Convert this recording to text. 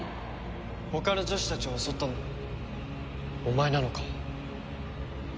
他の女子たちを襲ったのもお前なのか？